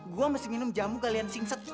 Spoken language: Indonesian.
gue masih minum jamu galian singsekonde